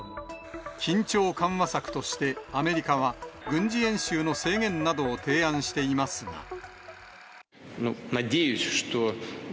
緊張緩和策として、アメリカは、軍事演習の制限などを提案していますが。